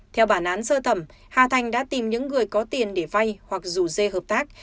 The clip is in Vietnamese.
theo bản án sơ thẩm hà thành đã tìm những người có tiền để vay hoặc rủ dê hợp tác